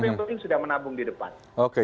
tapi yang penting sudah menabung di depan